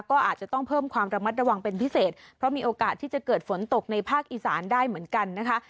ก็อาจจะต้องเพิ่มความระมัดระวังเป็นพิเศษเพราะมีโอกาสที่จะเกิดฝนตกในภาคอีสานได้เหมือนกันนะคะ